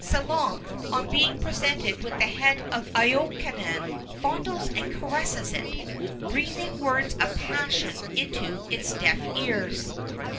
Salome, on being presented with the head of Iokanaan, fondles and caresses it, breathing words of passion into its deaf ears.